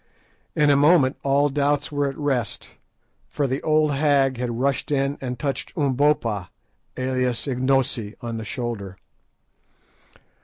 In a moment all doubts were at rest, for the old hag had rushed in and touched Umbopa, alias Ignosi, on the shoulder.